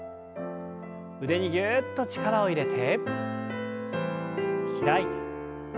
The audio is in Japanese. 腕にぎゅっと力を入れて開いて。